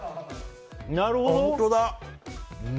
なるほど。